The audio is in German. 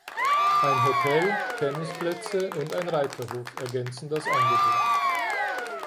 Ein Hotel, Tennisplätze und ein Reiterhof ergänzen das Angebot.